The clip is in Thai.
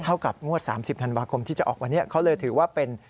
กับงวด๓๐ธันวาคมที่จะออกวันนี้เขาเลยถือว่าเป็น